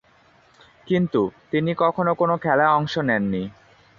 কিন্তু, তিনি কখনো কোনো খেলায় অংশ নেননি।